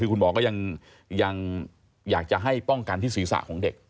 คือคุณหมอก็ยังอยากจะให้ป้องกันที่ศีรษะของเด็ก